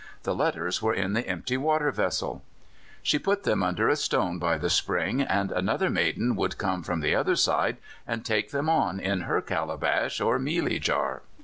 The letters were in the empty water vessel! She put them under a stone by the spring, and another maiden would come from the other side, and take them on in her calabash or mealie jar.